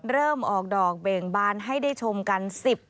เริ่มออกดอกเบ่งบานให้ได้ชมกัน๑๐